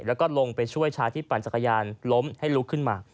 แล้วก็ลงไปช่วยชายที่ปั่นจักรยานล้มให้ลุกขึ้นมา